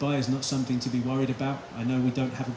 saya tahu kita tidak memiliki rekor yang bagus terhadap thailand